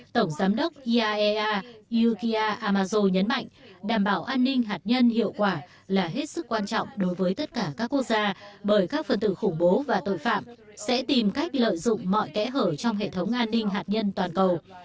tổng giám đốc iaea yukia amazo nhấn mạnh đảm bảo an ninh hạt nhân hiệu quả là hết sức quan trọng đối với tất cả các quốc gia bởi các phần tử khủng bố và tội phạm sẽ tìm cách lợi dụng mọi kẽ hở trong hệ thống an ninh hạt nhân toàn cầu